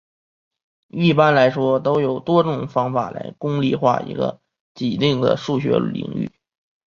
一般来说都有多种方法来公理化一个给定的数学领域。